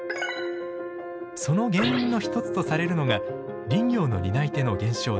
その原因の一つとされるのが林業の担い手の減少です。